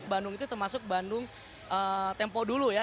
bandung itu termasuk bandung tempo dulu ya